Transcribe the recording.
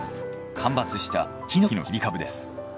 間伐したヒノキの切り株です。